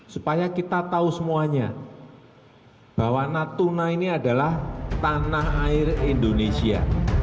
supaya kita tahu semuanya bahwa natuna ini adalah tanah air indonesia